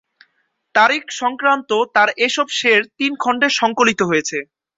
তারিখসংক্রান্ত তাঁর এসব শে’র তিন খন্ডে সংকলিত হয়েছে।